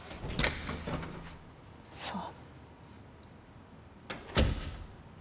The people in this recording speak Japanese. そう。